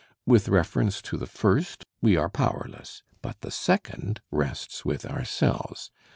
With reference to the first, we are powerless; but the second rests with ourselves.